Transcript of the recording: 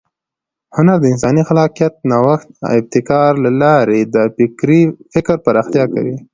هنر د انساني خلاقیت، نوښت او ابتکار له لارې د فکر پراختیا کوي.